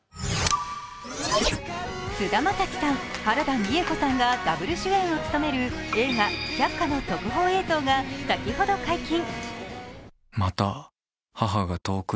菅田将暉さん、原田美枝子さんがダブル主演を務める映画「百花」の特報映像が先ほど解禁。